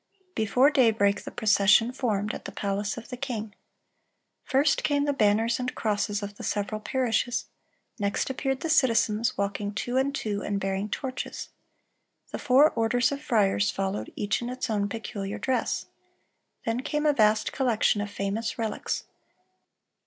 Before daybreak the procession formed, at the palace of the king. "First came the banners and crosses of the several parishes; next appeared the citizens, walking two and two, and bearing torches." The four orders of friars followed, each in its own peculiar dress. Then came a vast collection of famous relics.